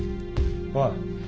おい。